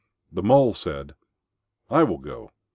The Mole said, "I will go.